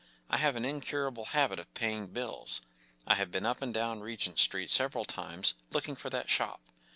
I have an incurable habit of paying bills. I have been up and down Regent Street several times, looking for that shop.